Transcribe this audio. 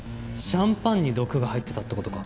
シャンパンに毒が入ってたって事か？